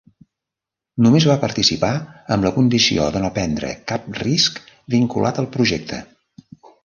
Només va participar amb la condició de no prendre cap risc vinculat al projecte.